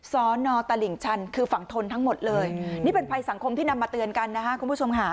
สอนอตลิ่งชันคือฝั่งทนทั้งหมดเลยนี่เป็นภัยสังคมที่นำมาเตือนกันนะคะคุณผู้ชมค่ะ